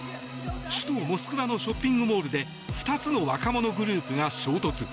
首都モスクワのショッピングモールで２つの若者グループが衝突。